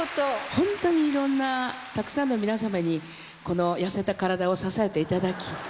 ホントにいろんなたくさんの皆様にこの痩せた体を支えていただき。